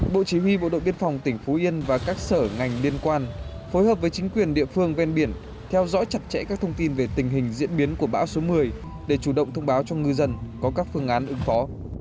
bộ chỉ huy bộ đội biên phòng tỉnh phú yên và các sở ngành liên quan phối hợp với chính quyền địa phương ven biển theo dõi chặt chẽ các thông tin về tình hình diễn biến của bão số một mươi để chủ động thông báo cho ngư dân có các phương án ứng phó